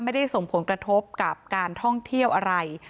ไม่ได้ส่งผลกระทบกับการท่องเที่ยวอะไร